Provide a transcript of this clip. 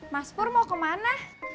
mas pur mau kemana